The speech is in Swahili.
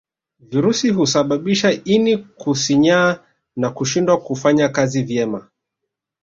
Virusi husababisha ini kusinyaa na kushindwa kufanya kazi vyema